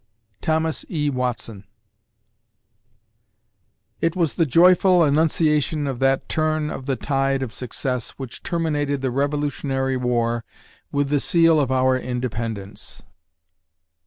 THOMAS E. WATSON It was the joyful annunciation of that turn of the tide of success which terminated the Revolutionary War with the seal of our independence.